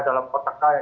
dalam kotak saya